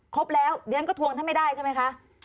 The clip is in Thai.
ครบแล้วเดี๋ยวฉันก็ทวงท่านไม่ได้ใช่ไหมคะ